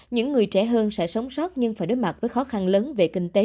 những người trẻ hơn sẽ sống sót nhưng phải đối mặt với khó khăn lớn về kinh tế